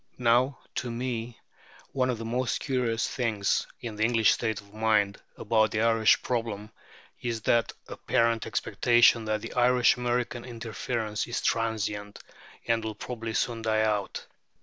Now, to me, one of the most curious things in the English state of mind about the Irish problem is the apparent expectation that this Irish American interference is transient, and will probably soon die out.